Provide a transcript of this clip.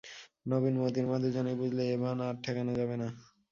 নবীন মোতির মা দুজনেই বুঝলে এ বান আর ঠেকানো যাবে না।